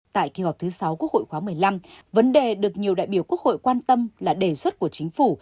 tại kỳ họp thứ sáu quốc hội khóa một mươi năm vấn đề được nhiều đại biểu quốc hội quan tâm là đề xuất của chính phủ